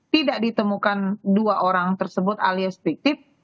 tidak ditemukan dua orang tersebut alias fiktif